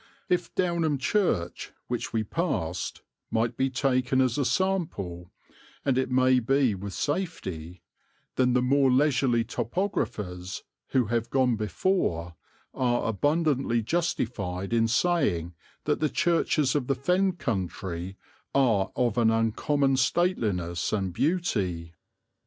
If Downham Church, which we passed, might be taken as a sample and it may be with safety then the more leisurely topographers who have gone before are abundantly justified in saying that the churches of the Fen country are of an uncommon stateliness and beauty.